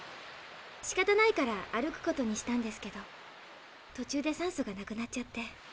しかたないから歩くことにしたんですけど途中で酸素がなくなっちゃって。